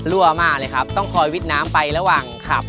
รั่วมากเลยครับต้องคอยวิทย์น้ำไประหว่างขับ